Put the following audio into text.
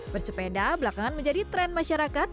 bersepeda belakangan menjadi tren masyarakat